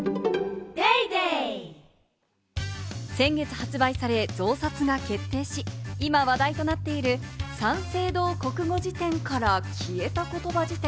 発売され増刷が決定し、今話題となっている、『三省堂国語辞典から消えたことば辞典』。